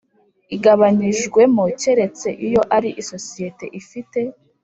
igabanyijwemo keretse iyo ari isosiyete ifite